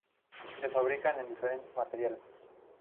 Se fabrican en diferentes materiales.